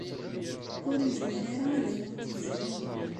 Ur yezmir ara ad awent-yezbu yiwen.